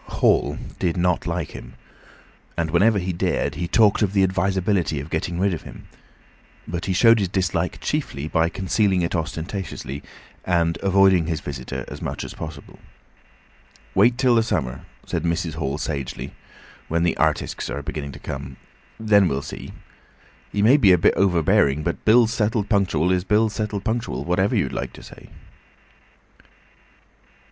Hall did not like him, and whenever he dared he talked of the advisability of getting rid of him; but he showed his dislike chiefly by concealing it ostentatiously, and avoiding his visitor as much as possible. "Wait till the summer," said Mrs. Hall sagely, "when the artisks are beginning to come. Then we'll see. He may be a bit overbearing, but bills settled punctual is bills settled punctual, whatever you'd like to say."